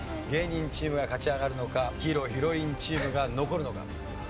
芸人チームが勝ち上がるのかヒーローヒロインチームが残るのか。